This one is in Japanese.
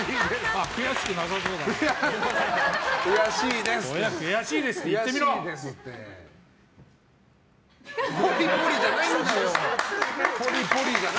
あ、悔しくなさそうだな。